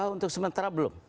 untuk sementara belum